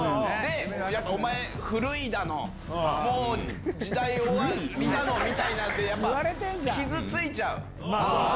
やっぱお前、古いだの、もう時代終わりだのみたいなので、やっぱ、傷ついちゃう。